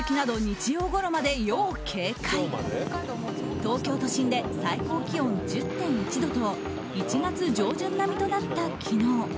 東京都心で最高気温１０．１度と１月上旬並みとなった昨日。